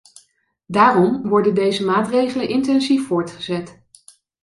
Daarom worden deze maatregelen intensief voortgezet.